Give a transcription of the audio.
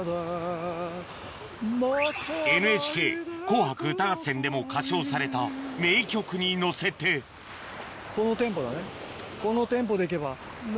『ＮＨＫ紅白歌合戦』でも歌唱された名曲に乗せてこのテンポで行けば。